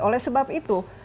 oleh sebab itu